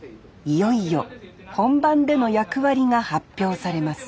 いよいよ本番での役割が発表されます